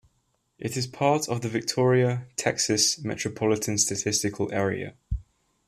It is part of the Victoria, Texas, Metropolitan Statistical Area.